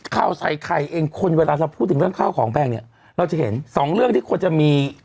ข่าวใส่ไข่เองคนเวลาเราพูดถึงเรื่องข้าวของแพงเนี่ยเราจะเห็นสองเรื่องที่ควรจะมี